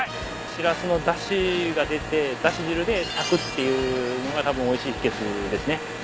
しらすのだしが出てだし汁で炊くっていうのがたぶんおいしい秘訣ですね。